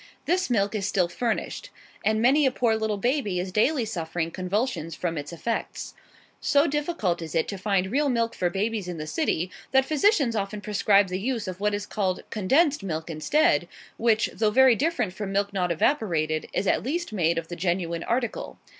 This milk is still furnished; and many a poor little baby is daily suffering convulsions from its effects. So difficult is it to find real milk for babies in the city, that physicians often prescribe the use of what is called "condensed" milk instead; which, though very different from milk not evaporated, is at least made of the genuine article.